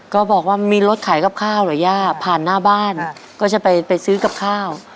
ก็บอกว่ามีรถขายกับข้าวเหรอย่าผ่านหน้าบ้านก็จะไปซื้อกับข้าว